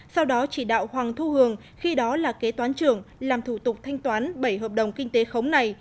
sau đó chỉ đạo hoàng thu hường khi đó là kế toán trưởng làm thủ tục thanh toán bảy hợp đồng kinh tế khống này